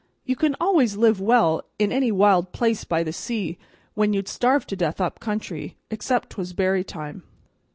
You can always live well in any wild place by the sea when you'd starve to death up country, except 'twas berry time.